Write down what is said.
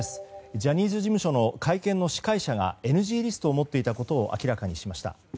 ジャニーズ事務所の会見の司会者がＮＧリストを持っていたことを明らかにしました。